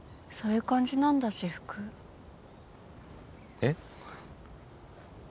えっ？